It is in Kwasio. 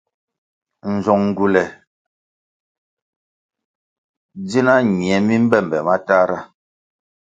Nzong ngywule ndzina nye mi mbe mbe matahra.